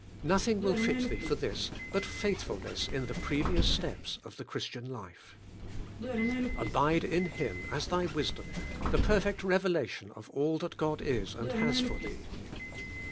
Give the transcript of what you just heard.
Nothing will fit thee for this but faithfulness in the previous steps of the AS YOUR REDEMPTION. 85 Christian life. Abide in Him as thy wisdom, the perfect revelation of all that God is and has for thee.